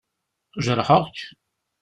Jerḥeɣ-k?